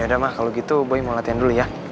yaudah ma kalau gitu boy mau latihan dulu ya